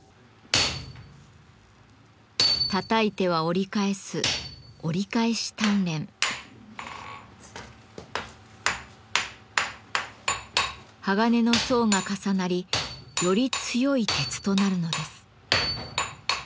たたいては折り返す鋼の層が重なりより強い鉄となるのです。